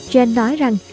jeanne nói rằng